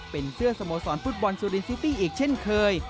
เป็นเสื้อสโมสรฟุตบอลสุรินซิตี้อีกเช่นเคย